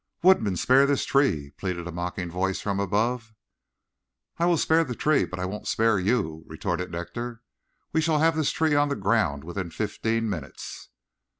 "Woodman, spare this tree," pleaded a mocking voice from above. "I will spare the tree, but I won't spare you," retorted Rector. "We shall have this tree on the ground within fifteen minutes."